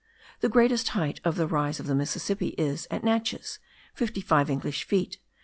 The greatest height of the rise of the Mississippi is, at Natchez, fifty five English feet.